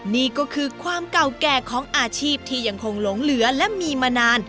นี่ก็คือความเก่าแก่ของอาชีพที่ยังคงหลงเหลือและมีมานาน